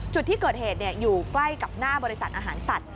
จุดที่เกิดเหตุอยู่ใกล้กับหน้าบริษัทอาหารสัตว